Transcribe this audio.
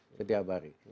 itu tiap hari